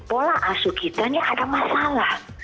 pola asuh kita ini ada masalah